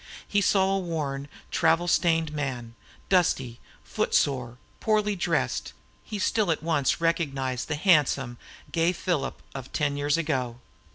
He saw a worn, traveled stained man; dusty, foot sore, poorly dressed, he still at once recognized the handsome, gay Philip of ten years ago.